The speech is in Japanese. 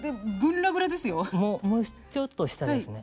もうちょっと下ですね。